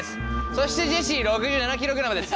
そしてジェシー６７ｋｇです。